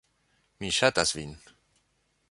Mi ŝatas vin.